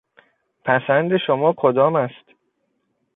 پسند شما کدام است؟